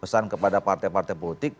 pesan kepada partai partai politik